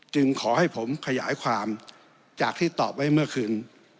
ขอให้ผมขยายความจากที่ตอบไว้เมื่อคืน